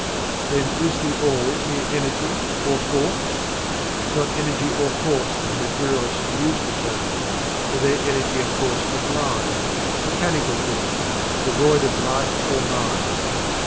Then is THE ALL mere Energy or Force? Not Energy or Force as the materialists use the terms, for their energy and force are blind, mechanical things, devoid of Life or Mind.